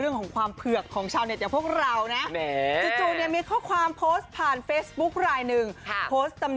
ดอวอกอคือจริงไม่ต้องย่อก็ได้มันแบบว่าทันมาก